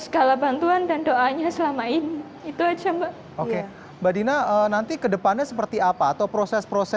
segala bantuan dan doanya selama ini itu aja mbak oke mbak dina nanti kedepannya seperti apa atau proses proses